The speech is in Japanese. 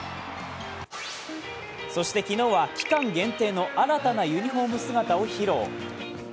そして昨日は期間限定の新たなユニフォーム姿を披露。